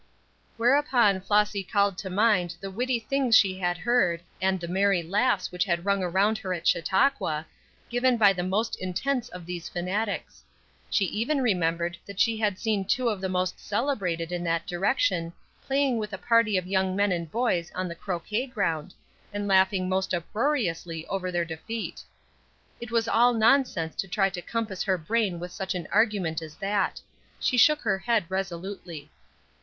Whereupon Flossy called to mind the witty things she had heard, and the merry laughs which had rung around her at Chautauqua, given by the most intense of these fanatics; she even remembered that she had seen two of the most celebrated in that direction playing with a party of young men and boys on the croquet ground, and laughing most uproariously over their defeat. It was all nonsense to try to compass her brain with such an argument as that; she shook her head resolutely.